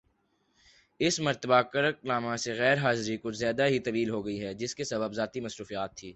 اس مرتبہ کرک نامہ سے غیر حاضری کچھ زیادہ ہی طویل ہوگئی ہے جس کا سبب ذاتی مصروفیت تھی